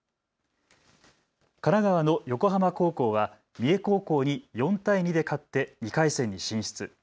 神奈川の横浜高校は三重高校に４対２で勝って２回戦に進出。